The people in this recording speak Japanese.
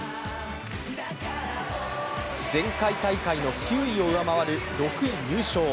前回大会の９位を上回る６位入賞。